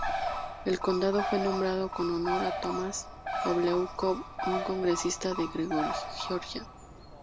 El condado fue nombrado en honor a Thomas W. Cobb, un congresista de Georgia.